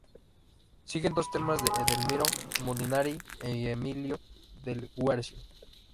Siguen dos temas de Edelmiro Molinari y Emilio del Guercio.